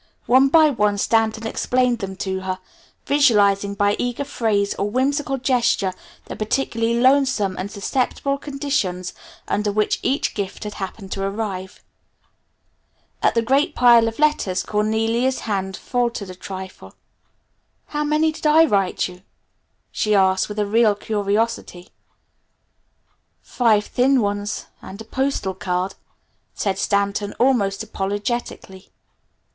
One by one Stanton explained them to her, visualizing by eager phrase or whimsical gesture the particularly lonesome and susceptible conditions under which each gift had happened to arrive. At the great pile of letters Cornelia's hand faltered a trifle. "How many did I write you?" she asked with real curiosity. "Five thin ones, and a postal card," said Stanton almost apologetically.